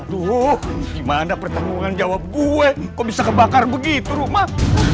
luhuh gimana pertanggungan jawab gue kok bisa kebakar begitu rumah